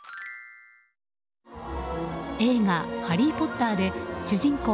映画「ハリー・ポッター」で主人公